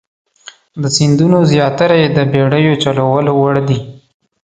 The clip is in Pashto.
د سیندونو زیاتره یې د بیړیو چلولو وړ دي.